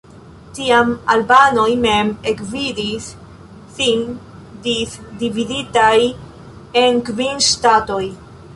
Tiam albanoj mem ekvidis sin disdividitaj en kvin ŝtatoj.